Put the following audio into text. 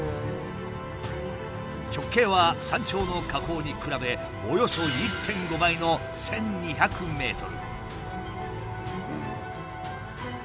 直径は山頂の火口に比べおよそ１．５倍の１，２００ｍ。